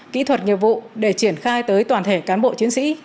kỹ thuật nghiệp vụ để triển khai tới toàn thể cán bộ chiến sĩ